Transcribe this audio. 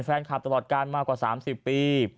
แฟนคลับตลอดการณ์มากกว่า๓๐ปี